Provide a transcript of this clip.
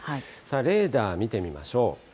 レーダー見てみましょう。